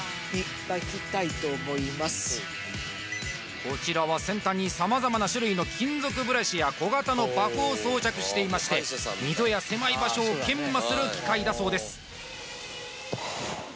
こちらは先端に様々な種類の金属ブラシや小型のバフを装着していまして溝や狭い場所を研磨する機械だそうです